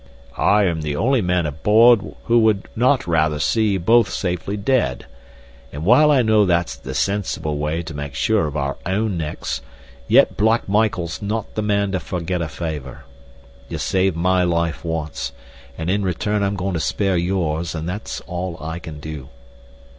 "I am the only man aboard who would not rather see ye both safely dead, and, while I know that's the sensible way to make sure of our own necks, yet Black Michael's not the man to forget a favor. Ye saved my life once, and in return I'm goin' to spare yours, but that's all I can do.